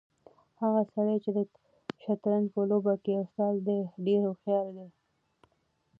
هغه سړی چې د شطرنج په لوبه کې استاد دی ډېر هوښیار دی.